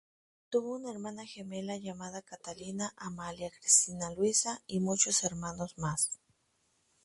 Tuvo una hermana gemela, llamada Catalina Amalia Cristina Luisa, y muchos hermanos más.